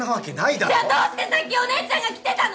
じゃあどうしてさっきお姉ちゃんが来てたの！